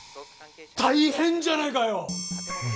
大変じゃないかよ！